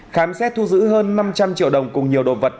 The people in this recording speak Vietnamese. khám xét thu giữ hơn năm trăm linh triệu đồng cùng nhiều đồ vật